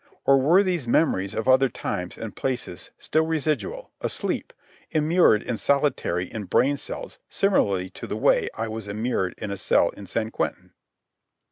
Or were these memories of other times and places still residual, asleep, immured in solitary in brain cells similarly to the way I was immured in a cell in San Quentin?